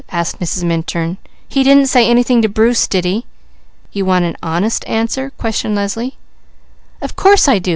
asked Mrs. Minturn. "He didn't say anything to Bruce, did he?" "You want an honest answer?" questioned Leslie. "Of course I do!"